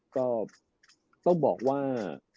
ก็บอกว่า